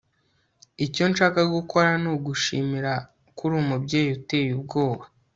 icyo nshaka gukora ni ugushimira ko uri umubyeyi uteye ubwoba